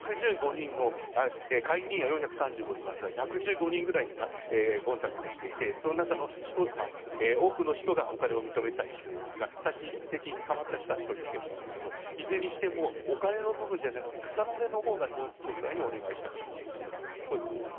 下院議員は４３５人いますが最終的に１１５人くらいにコンタクトしていてその中の多くの人がお金を認めたりしているんですが最終的に捕まった人は１人だけなんですがいずれにしてもお金の部分じゃなく草の根のほうを統一教会にお願いしたかったということです。